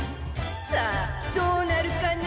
さあどうなるかな？